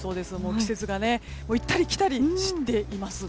季節が行ったり来たりしています。